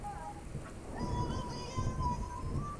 Kiumbe kilichotoka tumboni kabla ya wakati kihifadhiwe vizuri